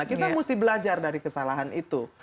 kita mesti belajar dari kesalahan itu